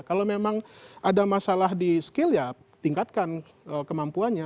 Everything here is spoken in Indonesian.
kalau memang ada masalah di skill ya tingkatkan kemampuannya